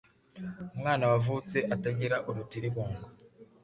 umwana wavutse atagira urutirigongo